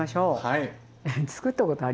はい。